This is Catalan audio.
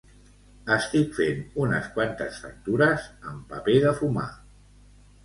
Estic fent unes quantes factures amb paper de fumar